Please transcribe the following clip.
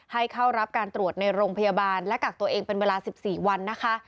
ให้เข้ารับการตรวจในโรงพยาบาลและกักตัวเองเป็นเวลา๑๔วันนะคะ